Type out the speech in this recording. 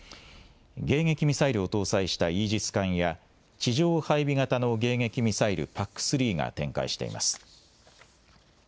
迎撃ミサイルを搭載したイージス艦や、地上配備型の迎撃ミサイルＰＡＣ３が展開しています。